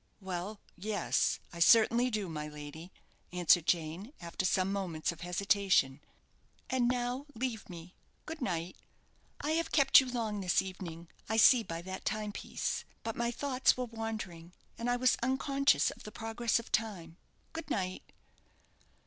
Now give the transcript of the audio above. "Well, yes; I certainly do, my lady," answered Jane, after some moments of hesitation. "And now leave me. Good night! I have kept you long this evening, I see by that timepiece. But my thoughts were wandering, and I was unconscious of the progress of time. Good night!"